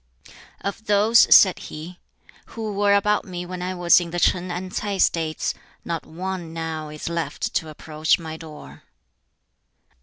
"Of those," said he, "who were about me when I was in the Ch'in and Ts'ai States, not one now is left to approach my door."